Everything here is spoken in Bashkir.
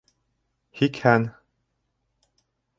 Һикһән